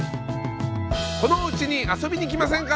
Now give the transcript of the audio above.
このおうちに遊びに来ませんか？